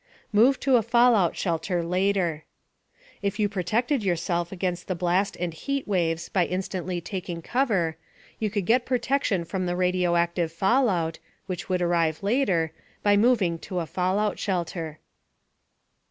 * MOVE TO A FALLOUT SHELTER LATER. If you protected yourself against the blast and heat waves by instantly taking cover, you could get protection from the radioactive fallout (which would arrive later) by moving to a fallout shelter.